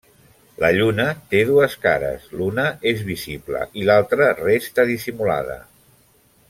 La Lluna té dues cares: l'una és visible i l'altra resta dissimulada.